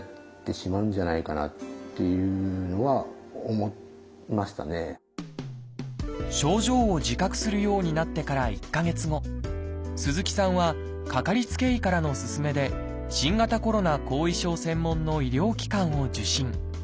もしかしたら今後症状を自覚するようになってから１か月後鈴木さんはかかりつけ医からの勧めで新型コロナ後遺症専門の医療機関を受診。